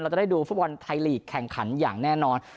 จะได้ดูฟุตบอลไทยลีกแข่งขันอย่างแน่นอน